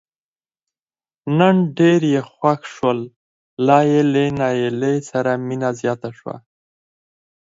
نو ډېر یې خوښ شول لا یې له نایلې سره مینه زیاته شوه.